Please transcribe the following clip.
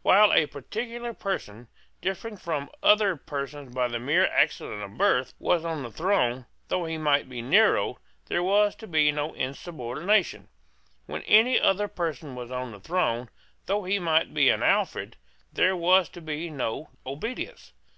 While a particular person, differing from other persons by the mere accident of birth, was on the throne, though he might be a Nero, there was to be no insubordination. When any other person was on the throne, though he might be an Alfred, there was to be no obedience.